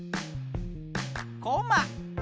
こま。